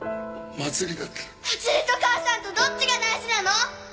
祭りと母さんとどっちが大事なの？